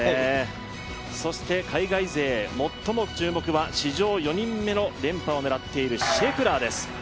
そして海外勢最も注目は史上４人目の連覇を狙っているシェフラーです。